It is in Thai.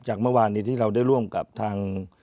เมื่อวานนี้ที่เราได้ร่วมกับทาง